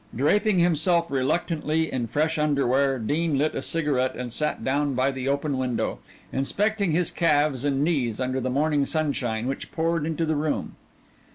Draping himself reluctantly in fresh underwear, Dean lit a cigarette and sat down by the open window, inspecting his calves and knees under the morning sunshine which poured into the room.